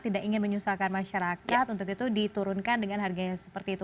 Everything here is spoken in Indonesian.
tidak ingin menyusahkan masyarakat untuk itu diturunkan dengan harga yang seperti itu